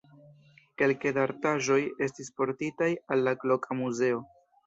Kelke da artaĵoj estis portitaj al la loka muzeo.